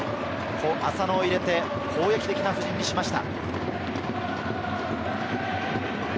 浅野を入れて攻撃的な布陣にしました。